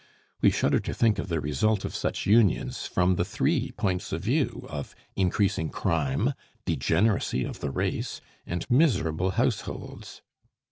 We shudder to think of the result of such unions from the three points of view of increasing crime, degeneracy of the race, and miserable households.